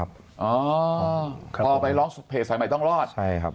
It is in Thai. อ๋อพอไปร้องเพจสายใหม่ต้องรอด